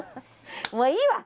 もういいわ！